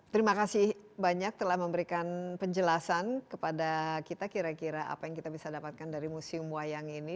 terima kasih banyak telah memberikan penjelasan kepada kita kira kira apa yang kita bisa dapatkan dari museum wayang ini